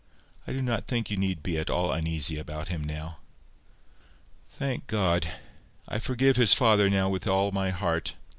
"I do not think you need be at all uneasy about him now." "Thank God. I forgive his father now with all my heart.